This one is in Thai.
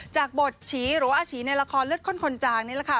จากบทฉีหรือว่าอาฉีในละครเลือดข้นคนจางนี่แหละค่ะ